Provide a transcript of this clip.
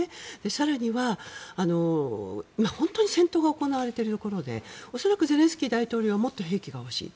更には、本当に戦闘が行われているところで恐らくゼレンスキー大統領はもっと兵器が欲しい。